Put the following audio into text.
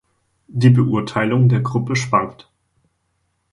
Die Beurteilung der Gruppe schwankt.